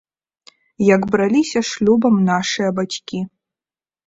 Як браліся шлюбам нашыя бацькі.